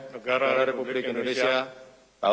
negara republik indonesia